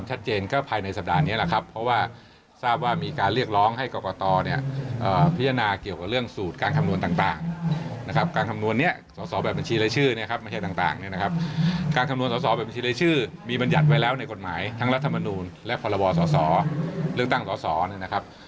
จัดไว้แล้วในกฎหมายทั้งรัฐมนูลและภาระบอสสเลือกตั้งสสนะครับ